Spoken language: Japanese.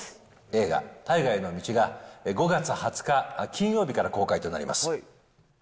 映画、大河への道が５月２０日金曜日から公開となります。